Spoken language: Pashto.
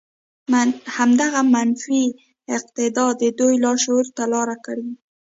همدغه منفي اعتقاد د دوی لاشعور ته لاره کړې.